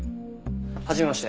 はじめまして。